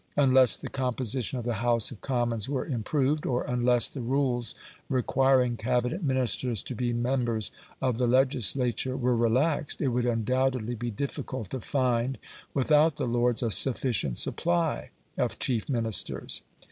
Unless the composition of the House of Commons were improved, or unless the rules requiring Cabinet Ministers to be members of the legislature were relaxed, it would undoubtedly be difficult to find, without the lords, a sufficient supply of chief Ministers.